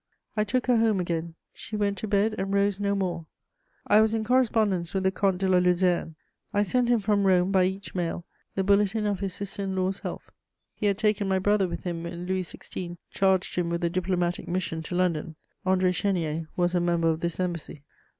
I took her home again; she went to bed and rose no more. I was in correspondence with the Comte de La Luzerne; I sent him from Rome, by each mail, the bulletin of his sister in law's health. He had taken my brother with him when Louis XVI. charged him with a diplomatic mission to London: André Chénier was a member of this embassy.